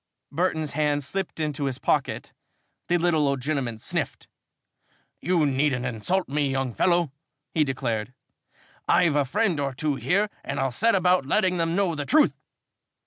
Burton's hand slipped into his pocket. The little old gentleman sniffed. "You needn't insult me, young fellow," he declared. "I've a friend or two here and I'll set about letting them know the truth."